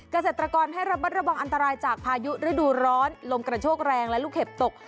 เกษตรกรให้ระบัดระวังอันตรายจากพายุฤดูร้อนลมกระโชกแรงและลูกเห็บตก